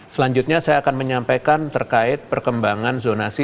selanjutnya saya akan menyampaikan terkait perkembangan zonasi